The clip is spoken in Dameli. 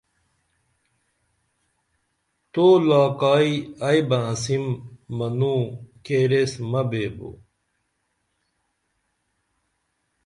تو لاکائی ائی بہ انسیم منوں کیر ایس مہ بیبو